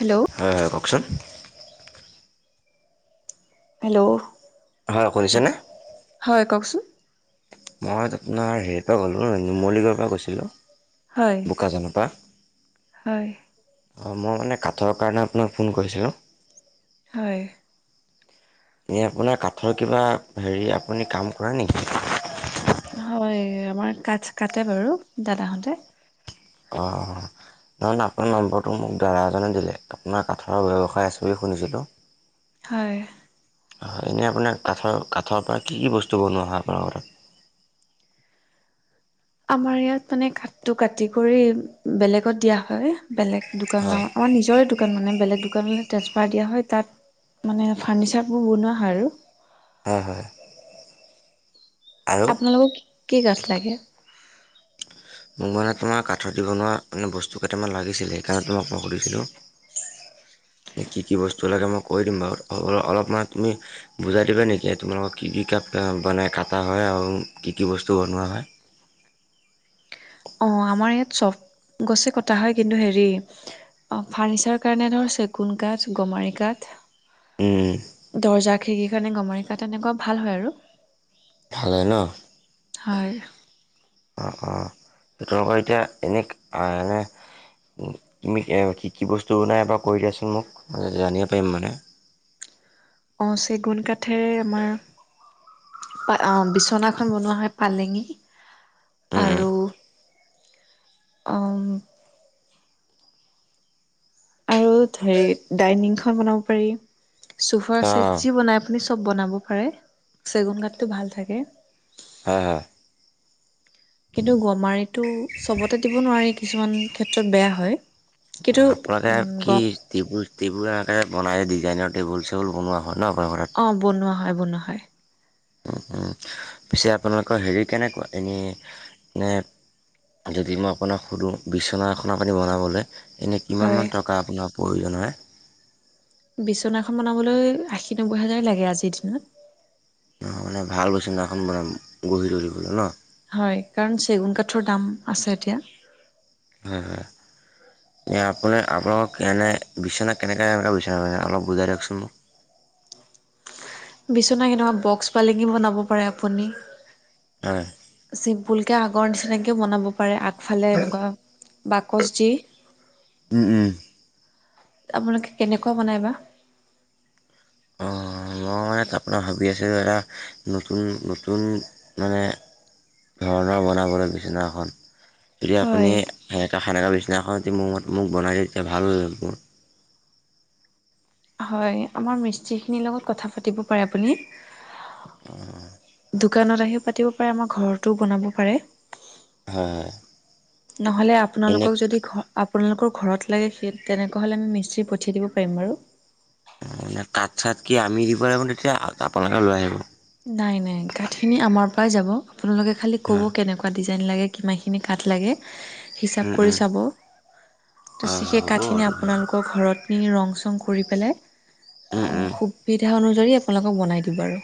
Hello. হয় হয় কওকচোন। হেল্ল'। হয় শুনিছেনে? হয় কওকচোন। মই আপোনাৰ হেৰিৰ পৰা ক'লোঁ নুমলীগড়ৰ পৰা কৈছিলোঁ। হয় বোকাজানৰ পৰা। হয় অ', মই মানে কাঠৰ কাৰণে আপোনাক ফোন কৰিছিলোঁ। হয়। এ আপোনাৰ কাঠৰ কিবা হেৰি আপুনি কাম কৰে নেকি। হয়, আমাৰ কাঠ কাটে বাৰু দাদাহতে। অ'। নহয়য় আপোনাৰ নম্বৰটো মোক দাদা এজনে দিলে আপোনাৰ কাঠৰ ব্যৱসায় আছে বুলি শুনিছিলোঁ [unintelligible] হয়। হয় হয় এনেই আপোনাৰ কাঠৰ কাঠৰ পৰা কি বস্তু বনোৱা হয় আপোনাৰোক তাত? আমাৰ ইয়াত মানে কাঠটো কাটি কৰি বেলেগত দিয়া হয় বেলেগ হয় দোকানত আমাৰ নিজৰে দোকান মানে বেলেগ দোকানলৈ ট্ৰেন্সফাৰ দিয়া হয় তাত মানে ফাৰ্ণিচাৰবোৰ বনোৱা হয় আৰু। হয় হয়। আৰু আপোনালোকক কি কাঠ লাগে? মোক মানে তোমাৰ কাঠত দি বনোৱা মানে বস্তু কেইটামান লাগিছিলে, সেইকাৰণে তোমাক মই সুধিছিলোঁ। কি- কি বস্তু লাগে মই কৈ দিম বাৰু অলপমান তুমি বুজাই দিবা নেকি তোমালোকৰ কি- কি কাঠ মানে কাটা হয় আৰু কি- কি বস্তু বনোৱা হয়। অ', আমাৰ ইয়াত চব গছে কটা হয় কিন্তু হেৰি অ', ফাৰ্ণিচাৰৰ কাৰণে ধৰক চেগুন কাঠ, গমাৰি কাঠ, উম দৰ্জা খিৰিকিৰ কাৰণে গমাৰি কাঠ তেনেকুৱা ভাল হয় আৰু। ভাল হয় ন। হয় অ', অ', সেইটো আকৌ এতিয়া এনেই অ এনে উম্, তুমি কি- কি বস্তু বনাই এবাৰ কৈ দিয়াচোন মোক, জানিব পাৰিম মানে। অ', চেগুন কাঠেৰে আমাৰ অ', বিচনাখন বনোৱা হয় পালেঙ অঁ আৰু অ' আৰু হেৰি ডাইনিংখন বনাব পাৰি, চোফাৰ চিট যি বনাই আপুনি চব বনাব পাৰে, চেগুন কাঠটো ভাল থাকে। হয়-হয়। কিন্তু, গমাৰিটো চবতে দিব নোৱাৰি কিছুমান ক্ষেত্ৰত বেয়া হয়। কিন্তু আপোনালোকে উম, কি গ টেবুল টেবুলৰ আকাৰত বনাই ডিজাইনৰ টেবুল চেবুল বনোৱা হয় ন আপোনাৰ ঘৰত। অ', বনোৱা হয়-বনোৱা হয়। উম- উম, পিছে আপোনালোকৰ হেৰি কেনেকুৱা এনেই মানে যদি মই আপোনাক সোধোঁ, বিচনা এখন আপোনি বনাবলে এনে হয় কিমানমান টকা আপোনাৰ প্ৰয়োজন হয়? বিচনাখন বনাবলৈ আশী নব্বৈ হাজাৰে লাগে আজিৰ দিনত। নহয় মানে ভাল বিচনা এখন বনাম, গঢ়ি তুলিবলে ন। হয়, কাৰণ চেগুন কাঠৰ দাম আছে এতিয়া। হয়-হয়। এয়া আপোনাৰ আপোনালোকক এনে বিচনা কেনেকে কেনেুকোৱা বিচাৰে অলপ বুজাই দিয়কচোন মোক। বিচনা কেনেকুৱা বক্স পালেঙি বনাব পাৰে আপুনি। [unintelligible] চিম্পুলকে আগৰ নিচিনাকেও বনাব পাৰে আগফালে এনেকুৱা বাকচ দি, উম উম আপোনালোকে কেনেকুৱা বনাই বা। অ', মই মানে আপোনাৰ ভাবি আছো এটা নতুন- নতুন মানে ধৰণৰ বনাবলে বিচনাখন। যদি হয় আপুনি সেনেকা- সেনেকা বিচনা এখন যদি মোক-মোক বনাই দিয়ে, তেতিয়া ভাল। হয়, আমাৰ মিস্ত্ৰীখিনিৰ লগত কথা পাতিব পাৰে আপুনি। দোকানত আহিও পাতিব পাৰে, আমাৰ ঘৰটো বনাব পাৰে। হয়। নহ'লে এনে আপোনালোকক যদি ঘৰ আপোনালোকৰ ঘৰত লাগে সেই তেনেকুৱা হ'লে আমি মিস্ত্ৰী পঠিয়াই দিব পাৰিম বাৰু। অ, কাট-চাট কি আমি দিব লাগিব নে আপোনালোকে লৈ আহিব? নাই, নাই কাঠ খিনি আমাৰ পৰাই যাব আপোনালোকে খালি ক'ব হয়, কেনেকুৱা ডিজাইন লাগে কিমান খিনি কাঠ লাগে। হিচাপ উম, কৰি উম, চাব, তাৰ পিছত হয়, হয়, সেই হ'ব কাঠ বাৰু খিনি তেনেহ'লে, আপোনালোক ঘৰত নি ৰং-চং কৰি পেলাই, উম, উম। খুব সুবিধা অনুযায়ী আপোনালোকক বনাই দিব আৰু।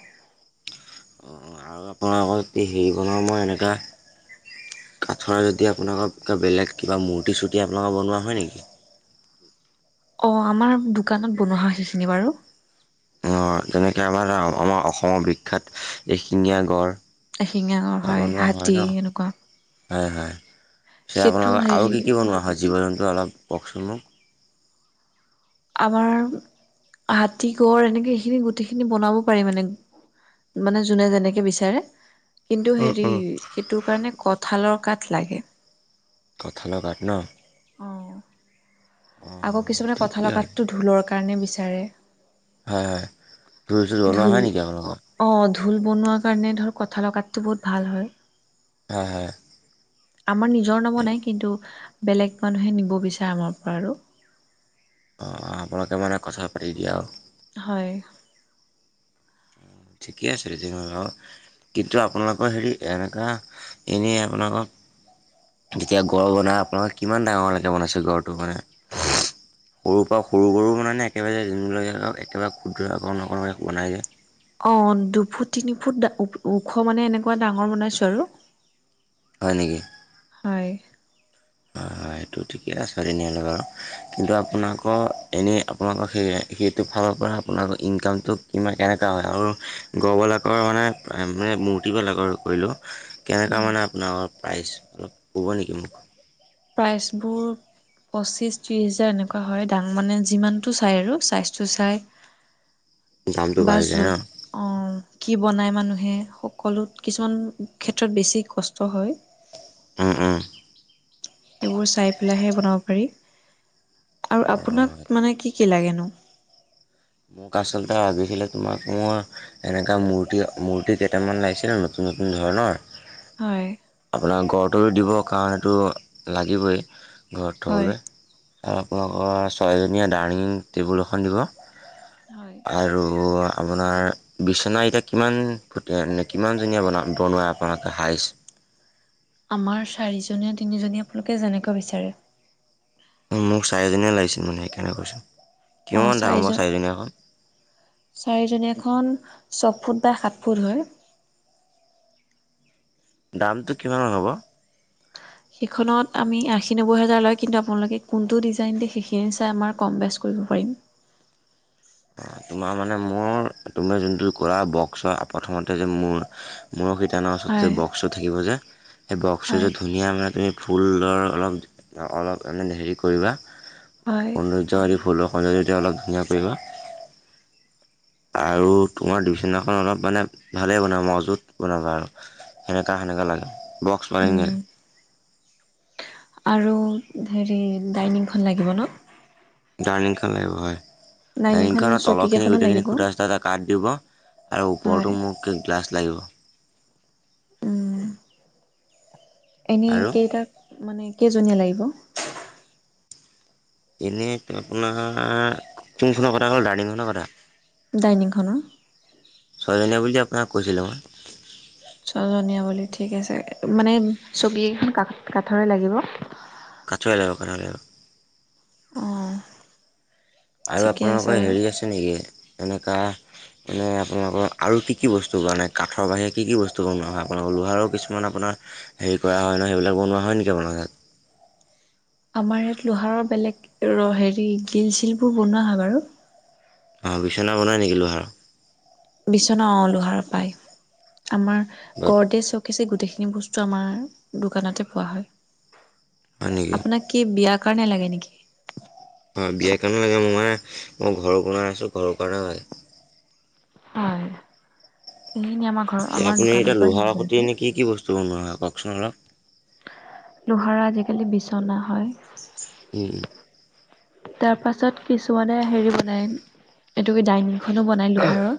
অ', আৰু আপোনালোকৰ যদি হেৰি বনাও মই এনেকা কাঠৰ যদি আপোনালোকৰ কিবা বেলেগ কিবা মূৰ্তি-চূৰ্তি আপোনালোকৰ বনোৱা হয় নেকি। অ', আমাৰ দোকানত বনোৱা হয় সেইখিনি বাৰু। অ, যেনেকে আমাৰ, আমাৰ অসমৰ বিখ্যাত এশিঙীয়া গঁড়। ৰহিঙীয়া গড় হয়, হাতী এনেকুৱা। হয়, হয় পিছে সেইটো আপোনালোকৰ আৰু হেৰি কি কি বনোৱা হয় জীৱ-জন্তু অলপ কওকচোন মোক। আমাৰ হাতী, গঁড় এনেকে এইখিনি গোটেইখিনি বনাব পাৰি মানে। মানে যোনে যেনেকে বিচাৰে, কিন্তু উম, হেৰি উম। সেইটো কাৰণে কঠালৰ কাঠ লাগে। কঁঠালৰ কাঠ ন। অ' আকৌ অ', কিছুমানে ঠিকেই কঁঠালৰ আৰু কাঠটো ঢোলৰ কাৰণে বিচাৰে। হয়-হয়। ঢোল অ, ঢোল বনোৱাৰ কাৰণে ধৰ কঁঠালৰ কাঠটো বহুত ভাল হয়। হয়-হয়। আমাৰ নিজৰ নৱনাই কিন্তু বেলেগ মানুহে নিব বিচাৰে আমাৰ পৰা আৰু। অ, অ, আপোনালোকে মানে কথা পাতি দিয়ে আও। হয়। ঠিকে আছে তেতিয়াহলে বাও। কিন্তু আপোনালোকৰ হেৰি এনেকুৱা এনেই আপোনালোকৰ যেতিয়া গড় বনাই আপোনালোকে কিমান ডাঙৰলেকে বনাইছে গড়টো মানে? [unintelligible] সৰুৰ পৰা সৰু গঁড়ো বনাই নে একেবাৰে দিনকে একেবাৰে ক্ষুদ্ৰ অকণ অকণ বনাই যায়। অ, দুফুট, তিনি ফুট ওখ মানে এনেকুৱা ডাঙৰ বনাইছো আৰু। হয় নেকি? হয়। হয়, হয় সেইটো ঠিকেই আছে তেনেহলে বাৰু, কিন্তু আপোনালোকৰ এনেই আপোনালোকৰ সেই সেইটো ফালৰ পৰা আপোনালোকৰ ইনকামটো কিমান কেনেকুৱা হয়? আৰু গঁড়বিলাকৰ মানে মূৰ্তি বেলাগৰ কৰিলো কেনেকুৱা মানে আপোনাৰ প্ৰাইচ অলপ ক'ব নেকি মোক? প্ৰাইজ বোৰ পঁচিছ, ত্ৰিছ হোজাৰ এনেকুৱা হয় দাম মানে। যিমানটো চাই আৰু চাইজটো চাই। [inaudible] বাঢ়ি যায় ন? বাজুত অ কি বনায় মানুহে সকলোত কিছুমান ক্ষেত্ৰত বেছি কষ্ট হয়। উ উম সেইবোৰ চাই পেলাইহে বনাব পাৰি। আৰু অ আপোনাক মানে কি কি লাগেনো? মোক আচলতে লাগিছিলে তোমাক মোৰ এনেকোৱা মূৰ্তি মূৰ্তি কেইটামান লাগিছিলে নতুন নতুন ধৰণৰ। হয়। আপোনাৰ গড়টো দিব কাৰণ এইটো লাগিবই ঘৰত হয় থ'বলৈ। আৰু আপোনালোকৰ ছয়জনীয়া ডাইনিং টেবুল এখন দিব। হয়। আৰু আপোনাৰ বিচনা এতিয়া কিমান ফুটিয়া কিমানজনীয়া বনা বনোৱা? অক হাইছ আমাৰ চাৰিজনীয়া তিনিজনী আপোনালোকে যেনেকৈ বিচাৰে মোক চাৰিজনীয়ে লাগিছিল মানে সেইকাৰনে কৈছো অ চাৰিজন চাৰিজনীয়া খন ছফুট বা সাত ফুট হয় দামটো কিমান-মান হ'ব? সেইখনত আমি আশী নব্বৈ হোজাৰ লয় কিন্তু আপোনালোকে কোনটো ডিজাইন দিয়ে সেইখিনি চাই আমাৰ কম বেছ কৰিব পাৰিম। অ তোমাৰ মানে মোৰ তোমাৰ যোনটো কৰা বক্স হয় প্ৰথমতে যে মোৰ মূৰ সিটানাৰ ওচৰত যে হয় বক্সটো থাকিব যে সেই বক্সটো হয় যে ধুই ধুনিয়া মানে তুমি ফুলৰ অলপ অলপ মানে হেৰি কৰিবা। হয় সৌন্দৰ্য ফুলৰখন যদি অলপ ধুনীয়া কৰিবা। আৰু তোমাৰ বিচিনাখন অলপ মানে ভালেই বনাব মজুত বনাবা আৰু। সেনেকা সেনেকা লাগে, বক্স পালেঙে উম। আৰু হেৰি ডাইনিংখন লাগিব ন ডাইনিঙখন লাগিব হয় ডাইনিংখন ডাইনিঙখনৰ চকী তলৰখিনি কেইখনো গোটেইখিনি লাগিব। খুটা চুটা এটা কাঠ দিব আৰু হয় ওপৰতো মোক কি ক্লাছ লাগিব উম এনেই আৰু কেইটাক মানে কেইজনীয়া লাগিব এনেই আপোনাৰ কোনখনৰ কথা হ'ল ডাইনিঙখনৰ কথা ডাইনিংখনৰ ছয়জনীয়া বুলি আপোনাক কৈছিলো মই ছজনীয়া বুলি ঠিক আছে মানে চকী কেইখন কাষ কাঠৰে লাগিব কাঠৰে লাগিব কাঠৰে লাগিব অ আৰু ঠিকে আছে আপোনালোকৰ বাৰু হেৰি আছে নেকি এনেকা এনেই আপোনালোকৰ আৰু কি কি বস্তু বনে কাঠৰ বাহিৰে কি কি বস্তু বনোৱা হয় আপোনালোকৰ লোহাৰৰ কিছুমান আপোনাৰ আপোনাৰ হেৰি কৰা হয় নহয় সেইবিলাক বনোৱা হয় নেকি আপোনাৰ তাত আমাৰ ইয়াত লোহাৰৰ বেলেগ হেৰি গিল চিল বোৰ বনোৱা হয় বাৰু অ বিছনা বনাই নেকি লোহাৰৰ বিচনা অ লোহাৰ পায় আমাৰ ঘৰতে চব দিছে গোটেইখিনি বস্তু আমাৰ দোকানতে পোৱা হয় হয় নেকি আপোনাক কি বিয়াৰ কাৰণে লাগে নেকি হয় বিয়াৰ কাৰণে লাগে মোৰ মানে মই ঘৰৰ বনাই আছো ঘৰৰ কাৰণেও লাগে হয় এইখিনি আমাক আপুনি এতিয়া লোহাৰ সতে এনে কি বস্তু বনোৱা হয় কওকচোন অলপ লোহাৰৰ আজিকালি বিচনা হয় উম তাৰ পাছত কিছুমানে হেৰি বনাই এইটো কি ডাইনিং এখনো বনাই লোহাৰৰ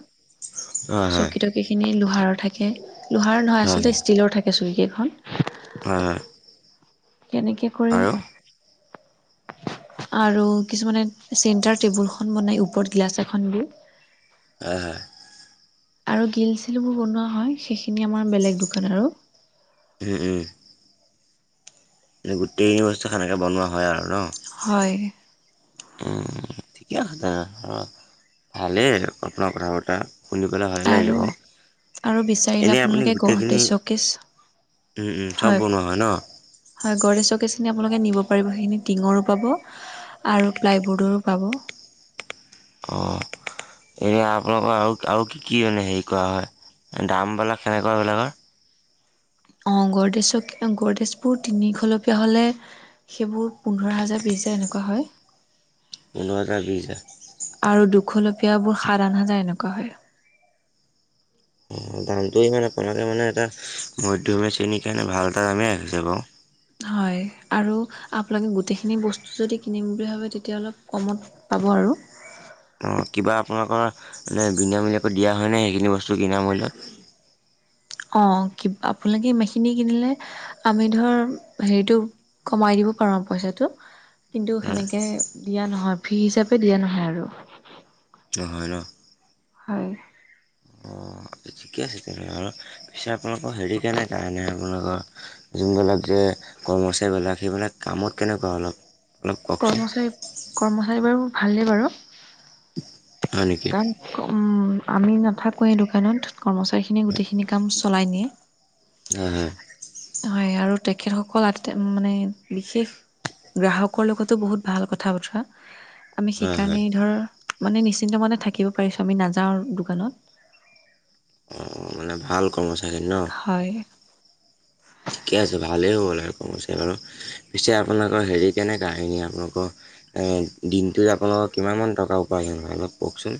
চকী তকী খিনি লোহাৰৰ থাকে লোহাৰৰ নহয় হয় হয় হয় আচলতে ষ্টীলৰ থাকে চকী কেইখন হয় হয় কেনেকে আৰু আৰু কিছুমানে চেণ্টাৰ টেবুলখন বনাই ওপৰত গিলাচ এখন দি হয় হয় আৰু গ্ৰীল চিলবোৰ বনোৱা হয় সেইখিনি আমাৰ বেলেগ দোকান আৰু উম উম এ গোটেইখিনি বস্তু সেনেকে বনোৱা হয় আৰু ন হয় ঠিকে আছে দে ধৰক ভালেই আপোনাৰ কথা বতৰা শুনি পেলাই ভাল লাগিলে আৰু বাও আৰু বিচাৰিলে এনেই আপুনি আপোনালোকে গড়তে গোটেইখিনি চকেচ উ উম চব বনোৱা হয় ন? হয় গড়দেছ চকেজখিনি আপোনালোকে নিব পাৰিব সেইখিনি টিঙৰো পাব আৰু প্লাইবৰ্ডৰো পাব অ এনে আপোনালোকৰ আৰু আৰু কি কি মানে হেৰি কৰা হয় দামবিলাক কেনেকোৱা এইবিলাকৰ অ গড়দেজ গড়দেজবোৰ তিনিখলপীয়া হ'লে সেইবোৰ পোন্ধৰ হাজাৰ বিছ হাজাৰ এনেকোৱা হয় পোন্ধৰ হাজাৰ বিছ হাজাৰ আৰু দুখলপীয়া বোৰ সাত আঠ হাজাৰ এনেকোৱা হয় অ দামটো ইমান আপোনালোকে মানে এটা মধ্যমীয়া শ্ৰেণীৰ কাৰণে ভাল এটা দামেই ৰাখিছে বাও হয় আৰু আপোনালোকে গোটেইখিনি বস্তু যদি কিনিম বুলি ভাবে তেতিয়া অলপ কমত পাব আৰু অ কিবা আপোনালোকৰ মানে বিনামূলীয়াকৈ দিয়া হয়নে সেইখিনি বস্তু বিনামূল্যত। অ কি আপোনালোকে ইমাখিনি কিনিলে আমি ধৰ হেৰিটো কমাই দিব পাৰো আৰু পইচাটো কিন্তু সেনেকে দিয়া নহয় ফ্ৰী হিচাপে দিয়া নহয় আৰু নহয় ন হয় অ ঠিকে আছে তেনেহলে আৰু পিছে আপোনালোকৰ হেৰি কে নাই কাৰণে আপোনালোকৰ যোনবিলাক যে কৰ্মচাৰীবিলাক সেইবিলাক কামত কেনেকোৱা অলপ? অলপ কওকচোন কৰ্মচাৰী কৰ্মচাৰী বাৰু ভালেই বাৰু হয় নেকি হয় কাৰণ আমি নাথাকো এই দোকানত কৰ্মচাৰী খিনিয়ে গোটেইখিনি কাম চলাই নিয়ে হয় হয় হয় আৰু তেখেতসকল আ মানে বিশেষ গ্ৰাহকৰ লগতো বহুত ভাল কথা বতৰা আমি হয় সেইকাৰণে হয় ধৰ মানে নিশ্চিন্ত মতে থাকিব পাৰিছো আমি নাযাও দোকানত অ মানে ভাল কৰ্মচাৰী ন? হয় ঠিকে আছে ভালেই হ'ব লাগে কৰ্মচাৰী বাৰু পিছে আপোনালোকৰ হেৰি কেনেকোৱা এনেই আপোনালোকৰ এ দিনটোত আপোনালোকৰ কিমান মান টকা উপাৰ্জন হয় অলপ কওকচোন?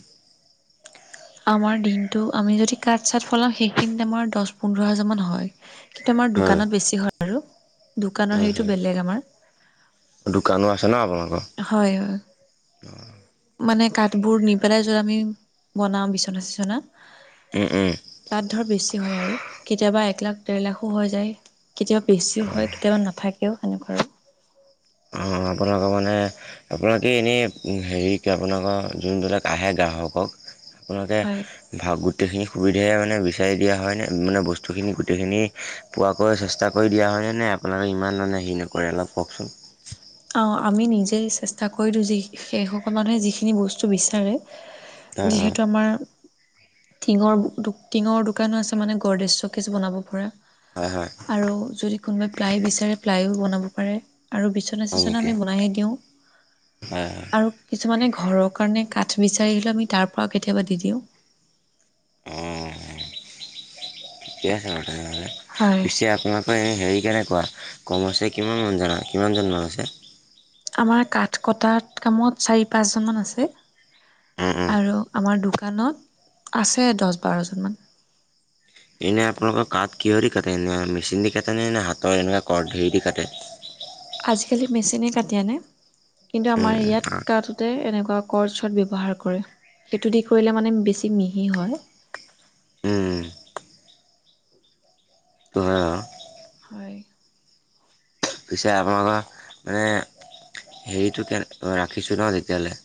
আমাৰ দিনটো আমি যদি কাঠ চাট ফলাও সেইখিনিত আমাৰ দহ পোন্ধৰ হাজাৰ মান হয়। কিন্তু আমাৰ হয় দোকানত বেছি হয় আৰু দোকানৰ হয় হেৰিটো হয় বেলেগ আমাৰ দোকানো আছে ন আপোনালোকৰ হয় হয় মানে কাঠবোৰ নি পেলাই যত আমি বনাওঁ বিচনা চিচনা উম উম তাত ধৰ বেছি হয় আৰু কেতিয়াবা এক লাখ ডেৰ লাখো হৈ যায়। কেতিয়াবা বেছিও অঁ হয় কেতিয়াবা নাথাকেও সেনেকুৱা আৰু। অ আপোনালোকৰ মানে আপোনালোকে এনেই হেৰি আপোনালোকৰ যোনবিলাক আহে গ্ৰাহকক হয়। আপোনোলোকে ভাৱ গোটেইখিনি সুবিধাই মানে বিচাৰি দিয়া হয় নে মানে বস্তুখিনি গোটেইখিনি পোৱাকৈ চেষ্টা কৰি দিয়া হয়নে নে আপোনালোকে ইমান মানে হেৰি নকৰে অলপ কওকচোন? অ আমি নিজেই চেষ্টা কৰি দিওঁ যি সেইসকল মানুহে যিখিনি বস্তু বিচাৰে হয় হয় যিহেতু আমাৰ টিঙৰ টিঙৰ দোকানো আছে মানে গৰ্দেশ, চৌকেজ বনাব পৰা। হয় হয় আৰু যদি কোনোবাই প্লাই বিচাৰে প্লাইও বনাব পাৰে আৰু বিছ বিছনা হয় চিছনা নেকি আমি বনাই হে দিওঁ, হয় হয় আৰু কিছুমানে ঘৰৰ কাৰণে কাঠ বিচাৰি আহিলেও আমি তাৰ পৰাও কেতিয়াবা দি দিওঁ অ, ঠিকে আছে হয় পিছে আপোনাক অ হেৰি কেনেকোৱা কম হৈছে কিমান মান জানা কিমানজন মান মানুহ আছে আমাৰ কাঠ কটাত কামত চাৰি পাঁচজনমান আছে উম উম আৰু আমাৰ দোকানত আছে দছ বাৰজনমান এনেই আপোনালোকৰ কাঠ কিহৰ দি কাটে এনে মেচিন দি কাটেনে নে হাতৰ এনেকুৱা কৰত হেৰি দি কাটে? আজিকালি মেচিনেই কাটি আনে কিন্তু আমাৰ ইয়াত উম গাঁৱত তে এনেকুৱা কৰৰ্ট চৰৰ্ট ব্যৱহাৰ কৰে সেইটো দি কৰিলে মানে বেছি মিহি হয়। উম উম ত হয় আও হয় পিছে আপোনা পৰা মানে হেৰিটো কে ৰাখিছোঁ ন তেতিয়াহ'লে